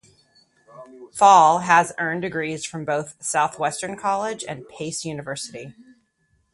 Fall has earned degrees from both Southwestern College and Pace University.